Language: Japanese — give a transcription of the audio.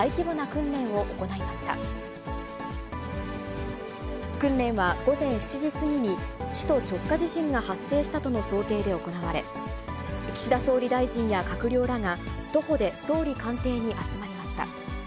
訓練は午前７時過ぎに首都直下地震が発生したとの想定で行われ、岸田総理大臣や閣僚らが、徒歩で総理官邸に集まりました。